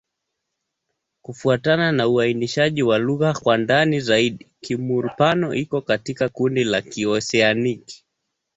Kufuatana na uainishaji wa lugha kwa ndani zaidi, Kimur-Pano iko katika kundi la Kioseaniki.